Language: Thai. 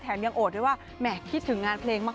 ยังโอดด้วยว่าแหม่คิดถึงงานเพลงมาก